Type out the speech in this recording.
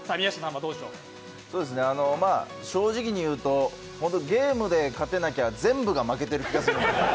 正直に言うと、ゲームで勝てなきゃ全部が負けてる気がするんで。